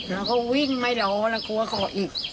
แล้วก็วิ่งไม่รอแล้วกลัวเกาะอีก